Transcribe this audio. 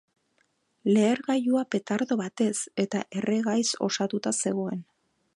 Lehergailua petardo batez eta erregaiz osatuta zegoen.